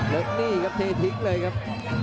แล้วนี่ครับเททิ้งเลยครับ